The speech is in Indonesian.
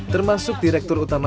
termasuk di dalam kabupaten samosir